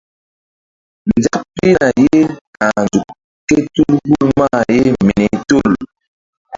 Nzak pihna ye ka̧h nzuk kétul hul mah ye mini tul.